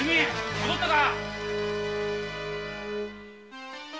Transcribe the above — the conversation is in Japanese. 戻ったか？